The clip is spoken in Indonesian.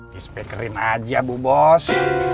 dispekerin aja bu bos